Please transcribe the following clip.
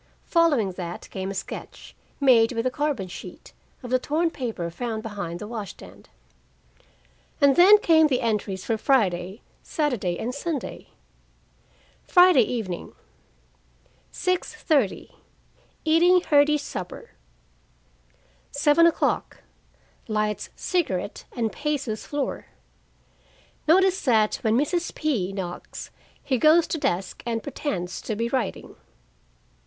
Following that came a sketch, made with a carbon sheet, of the torn paper found behind the wash stand: And then came the entries for Friday, Saturday and Sunday. Friday evening: 6:30 Eating hearty supper. 7:00 Lights cigarette and paces floor. Notice that when Mrs. P. knocks, he goes to desk and pretends to be writing.